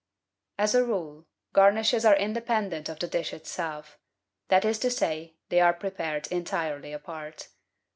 As a rule, garnishes are independent of the dish itself — that is to say, they are prepared entirely apart.